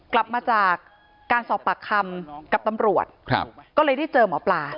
กลับมาจากการสอบปากคำกับตำรวจก็เลยได้เจอหมอปลา